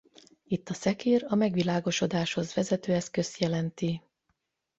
Itt a szekér a megvilágosodáshoz vezető eszközt jelenti.